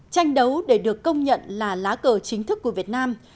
tranh đấu để được công nhận là lá cờ chính thức của việt nam